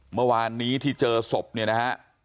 เมื่อวานนี้ที่เจอศพเนี่ยนะฮะ